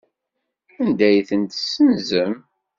Anda ay tent-tessenzem?